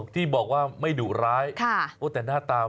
ที่บอกว่าไม่ดุร้ายแต่หน้าตา